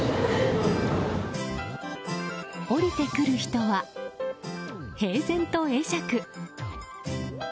降りてくる人は、平然と会釈。